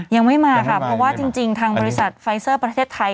ยังไม่มาค่ะเพราะว่าจริงทางบริษัทไฟเซอร์ประเทศไทย